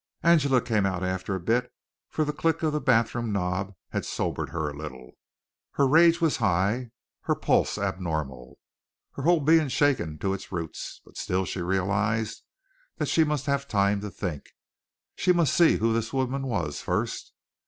Angela came out after a bit, for the click of the bathroom knob had sobered her a little. Her rage was high, her pulse abnormal, her whole being shaken to its roots, but still she realized that she must have time to think. She must see who this woman was first.